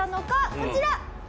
こちら！